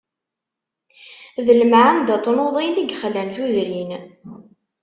D lemɛanda n tnuḍin i yexlan tudrin.